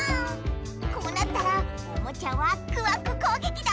こうなったらおもちゃワックワクこうげきだ！